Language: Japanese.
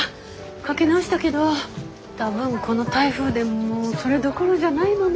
かけ直したけど多分この台風でもうそれどころじゃないのね。